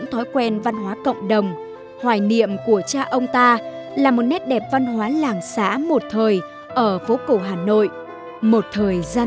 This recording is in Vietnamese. giữ cho phố phường hà nội một nét lạ một nét riêng về một thời đã xa